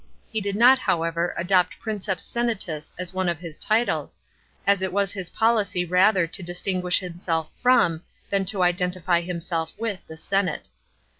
He did not, however, adopt princeps senatus as one of his titles, as it was his policy rather to distingui>h himself from than to identify himself with the senate.